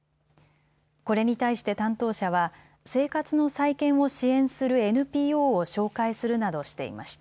これに対して担当者は生活の再建を支援するＮＰＯを紹介するなどしていました。